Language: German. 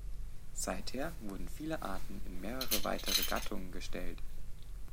Seither wurden viele Arten in mehrere weitere Gattungen gestellt.